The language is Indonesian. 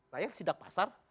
saya sidak pasar